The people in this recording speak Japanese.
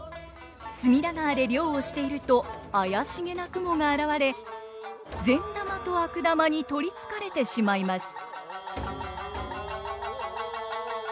隅田川で漁をしていると怪しげな雲が現れ善玉と悪玉に取りつかれてしまいます。